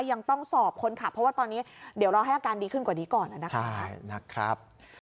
ยังต้องสอบคนขับเพราะว่าตอนนี้เดี๋ยวรอให้อาการดีขึ้นกว่านี้ก่อนนะครับ